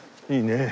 いいね。